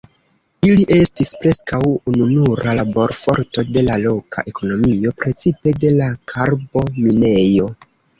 Ili estis preskaŭ ununura laborforto de la loka ekonomio, precipe de la karbo- minejo.